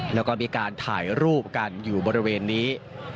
แล้วก็มีการถ่ายรูปกันอยู่บริเวณนี้